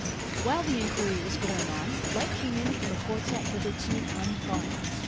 While the inquiry was going on, light came in from a quartet hitherto unthought of.